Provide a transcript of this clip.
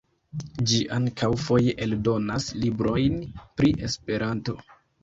Ĝi ankaŭ foje eldonas librojn pri Esperanto.